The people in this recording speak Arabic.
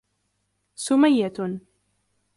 سمية